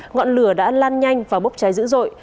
ngọn lửa đã lan nhanh và bốc cháy dữ dội